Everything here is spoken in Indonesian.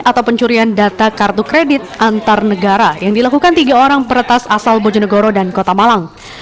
atau pencurian data kartu kredit antar negara yang dilakukan tiga orang peretas asal bojonegoro dan kota malang